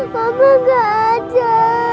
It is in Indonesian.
papa nggak ada